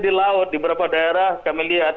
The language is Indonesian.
di laut di beberapa daerah kami lihat